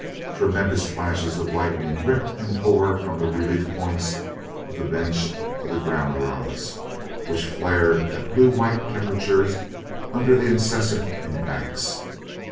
Tremendous flashes of lightning ripped and tore from the relief points of the bench to the ground rods, which flared at blue white temperature under the incessant impacts.